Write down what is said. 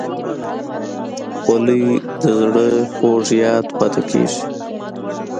خولۍ د زړه خوږ یاد پاتې کېږي.